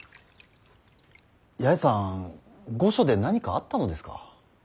八重さん御所で何かあったのですか。